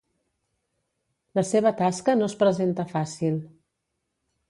La seva tasca no es presenta fàcil.